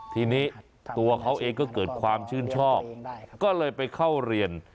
ทีนี้ตัวเขาเองก็เกิดความชื่นชอบก็เลยไปเข้าเรียน